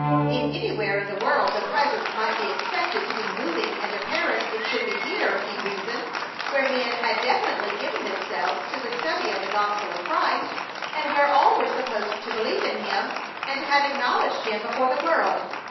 If anywhere in the world the Presence might be expected to be moving and apparent it should be here, he reasoned, where men had definitely given themselves to the study of the Gospel of Christ, and where all were supposed to believe in Him and to have acknowledged Him before the world.